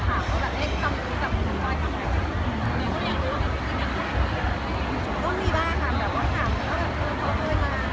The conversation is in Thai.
อาจจะมีกี่ตั้งคือมันก็ถามก็แบบเอ๊ะชาวโมคือ